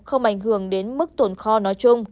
không ảnh hưởng đến mức tổn kho nói chung